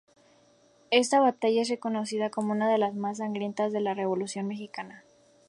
Esta batalla es reconocida como una de las más sangrientas de la Revolución Mexicana.